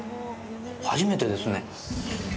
初めてですね。